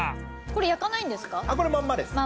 これ焼かないんですか？